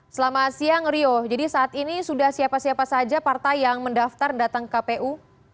selamat siang rio jadi saat ini sudah siapa siapa saja partai yang mendaftar datang ke kpu